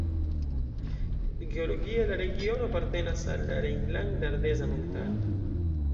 Geologie la regiono apartenas al la Rejnlanda Ardeza Montaro.